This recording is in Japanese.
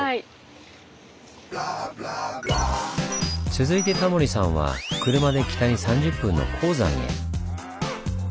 続いてタモリさんは車で北に３０分の鉱山へ。